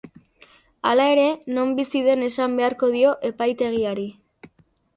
Hala ere, non bizi den esan beharko dio epaitegiari.